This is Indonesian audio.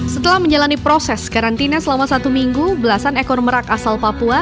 setelah menjalani proses karantina selama satu minggu belasan ekor merak asal papua